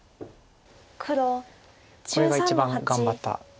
これが一番頑張った手です。